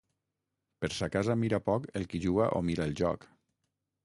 Per sa casa mira poc el qui juga o mira el joc.